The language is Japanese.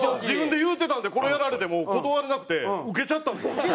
自分で言うてたんでこれやられてもう断れなくて受けちゃったんですよ。